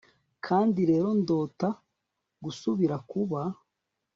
kandi rero ndota gusubira kuba